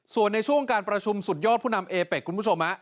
ส่วนในช่วงการประชุมสุดยอดผู้นำเอเป็กคุณผู้ชม